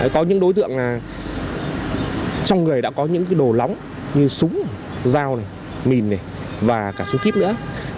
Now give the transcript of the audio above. có những đối tượng trong người đã có những đồ lóng như súng dao mìn và cả súng kíp nữa